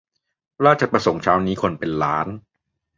ราชประสงค์เช้านี้คนเป็นล้าน